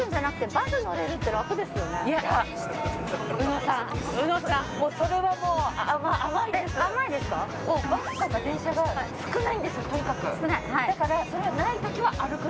バスとか電車が少ないんですとにかく。